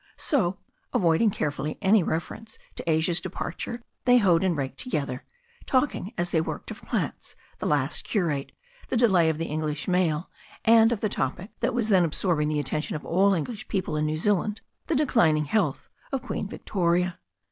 So, avoiding carefully any reference to Asia's departure^ they hoed and raked together, talking as they worked of plants, the last curate, the delay of the English mail, and of the topic that was then absorbing the attention of all English people in New Zealand — ^the declining health of Queen Victoria.